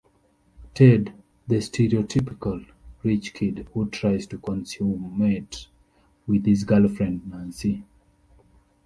Ted, the stereotypical rich kid who tries to consummate with his girlfriend, Nancy.